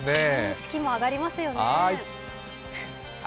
士気も上がりますよね。